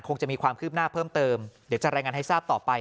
คงจะมีความคืบหน้าเพิ่มเติมเดี๋ยวจะรายงานให้ทราบต่อไป